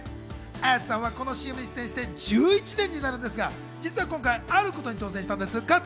綾瀬さんはこのＣＭに出演して１１年になるんですが、今回、あることに挑戦したんです。